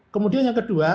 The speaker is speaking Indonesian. kemudian yang kedua